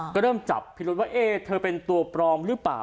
ก็เริ่มจับพิรุษว่าเธอเป็นตัวปลอมหรือเปล่า